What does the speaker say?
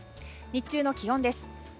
日中の気温です。